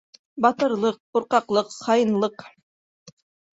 Батырлыҡ, ҡурҡаҡлыҡ, хаинлыҡ